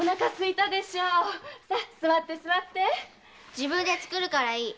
自分で作るからいい。